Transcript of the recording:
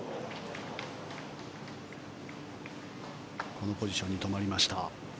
このポジションに止まりました。